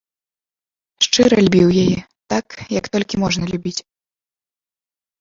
Шчыра любіў яе, так, як толькі можна любіць.